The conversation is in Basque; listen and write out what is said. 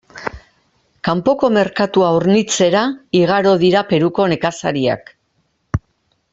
Kanpoko merkatua hornitzera igaro dira Peruko nekazariak.